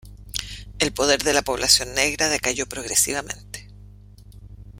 El poder de la población negra decayó progresivamente.